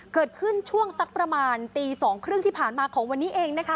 เกิดขึ้นช่วงสักประมาณตี๒๓๐ที่ผ่านมาของวันนี้เองนะคะ